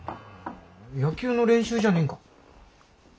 野球の練習じゃねえんか？